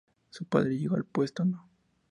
Su padre llegó al puesto No.